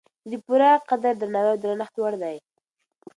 چې د پوره قدر، درناوي او درنښت وړ دی